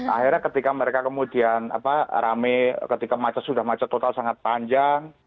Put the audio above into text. akhirnya ketika mereka kemudian rame ketika macet sudah macet total sangat panjang